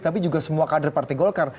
tapi juga semua kader partai golkar